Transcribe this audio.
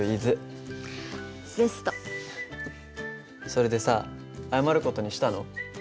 それでさ謝る事にしたの？